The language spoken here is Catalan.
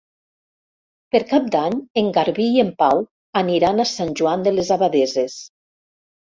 Per Cap d'Any en Garbí i en Pau aniran a Sant Joan de les Abadesses.